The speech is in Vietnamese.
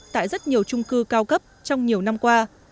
tại rất nhiều trung cư cao cấp trong nhiều năm qua